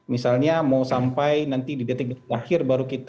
misalnya mau sampai nanti di detik terakhir baru kita